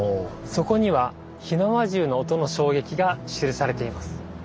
そこには火縄銃の音の衝撃が記されています。